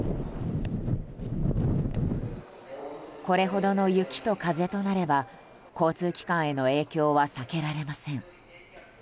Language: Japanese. これほどの雪と風となれば交通機関への影響は避けられません。